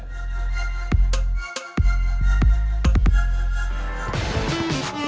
saya dari bandung